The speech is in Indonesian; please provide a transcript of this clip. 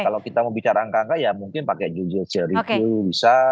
kalau kita mau bicara angka angka ya mungkin pakai judicial review bisa